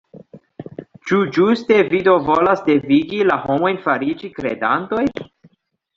Ĉu ĝuste vi do volas devigi la homojn fariĝi kredantoj?